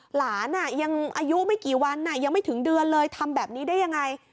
หลานยังอายุไม่กี่วันยังไม่ถึงเดือนเลยทำแบบนี้ได้ยังไง